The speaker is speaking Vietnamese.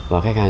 và khách hàng